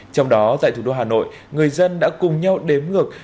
trong đó tại thủ đô hà nội người dân đã cùng nhau đếm ngược